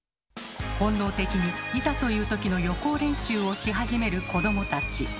本能的にいざという時の予行練習をし始める子どもたち。